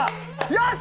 よし！